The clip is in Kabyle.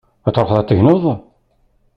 Ad truḥeḍ ad tegneḍ?